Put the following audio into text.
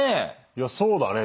いやそうだね。